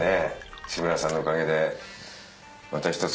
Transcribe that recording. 志村さんのおかげでまた一つ